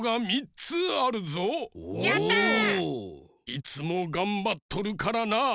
いつもがんばっとるからな。